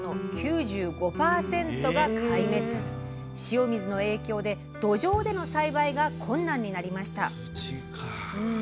塩水の影響で土壌での栽培が困難になりました